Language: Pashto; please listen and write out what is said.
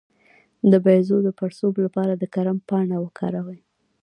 د بیضو د پړسوب لپاره د کرم پاڼه وکاروئ